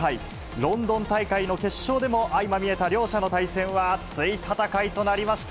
ロンドン大会の決勝でも相まみえた両者の対戦は、熱い戦いとなりました。